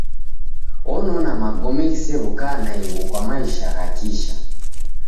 Onona magome ghisew'uka naighu kwa maisha gha kisha.